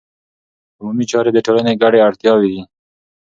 عمومي چارې د ټولنې ګډې اړتیاوې دي.